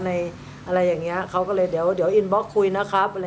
อะไรอย่างนี้เขาก็เลยเดี๋ยวอินบล็อกคุยนะครับ